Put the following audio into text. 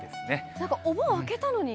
なんかお盆明けたのに。